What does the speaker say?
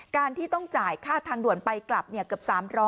การที่ต้องจ่ายค่าทางด่วนไปกลับเกือบ๓๐๐